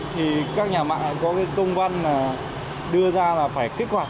thì các nhà mạng có công văn đưa ra là phải kích hoạt